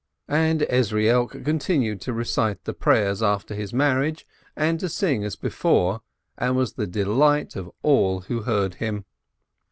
And Ezrielk continued to recite the prayers after his marriage, and to sing as before, and was the delight of all who heard him.